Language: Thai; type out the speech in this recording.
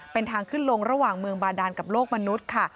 เป็นทางขึ้นลงระหว่างเมืองบาดานกับโลกมนุษย์ค่ะ